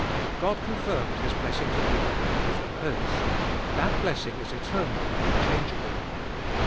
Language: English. God confirmed His blessing to Abraham with an oath ; that blessing is eternal and unchangeable.